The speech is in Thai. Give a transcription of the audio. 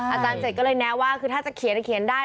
อาจารย์เจ็ดก็เลยแนะว่าคือถ้าจะเขียนเขียนได้